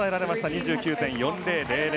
２９．４０００。